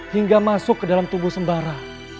hingga masuk ke dalam tubuh sembara